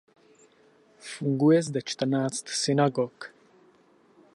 Funguje zde čtrnáct synagog.